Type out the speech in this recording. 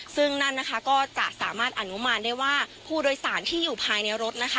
ซึ่งนั่นนะคะก็จะสามารถอนุมานได้ว่าผู้โดยสารที่อยู่ภายในรถนะคะ